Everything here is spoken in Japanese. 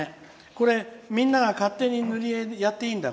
これ、みんなが勝手に塗り絵やっていいんだ。